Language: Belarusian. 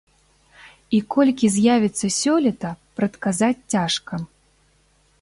І колькі з'явіцца сёлета, прадказаць цяжка.